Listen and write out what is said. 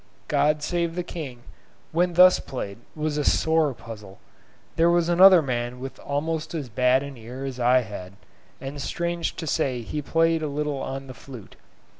'God save the King,' when thus played, was a sore puzzle. There was another man with almost as bad an ear as I had, and strange to say he played a little on the flute.